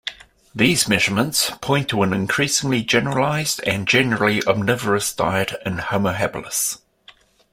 These measurements point to an increasingly generalized, and generally omnivorous diet in "Homo habilis".